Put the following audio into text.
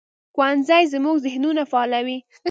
ښوونځی زموږ ذهنونه فعالوي